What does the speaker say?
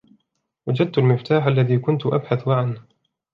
وجت المفتاح الذي كنت أبحث عنه.